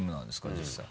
実際。